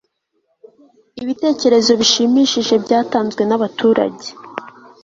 ibitekerezo bishimishije byatanzwe nabaturage